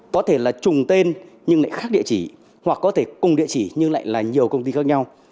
có thể là trùng tên nhưng lại khác địa chỉ hoặc có thể cùng địa chỉ nhưng lại là nhiều công ty khác nhau